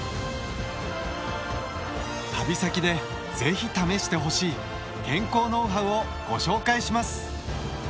旅先で是非試してほしい健康ノウハウをご紹介します。